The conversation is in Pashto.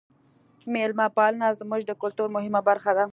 میلمه پالنه زموږ د کلتور مهمه برخه ده.